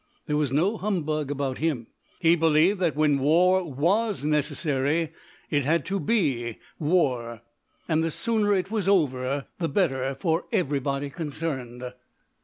There was no humbug about him. He believed that when war was necessary it had to be war and the sooner it was over the better for everybody concerned.